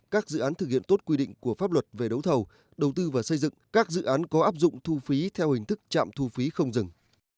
các dự án thực hiện tốt quy định của pháp luật về đấu thầu đầu tư và xây dựng các dự án có áp dụng thu phí theo hình thức trạm thu phí không dừng